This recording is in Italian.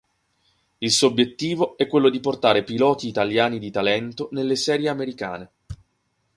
Il suo obbiettivo è quello di portare piloti italiani di talento nelle serie Americane.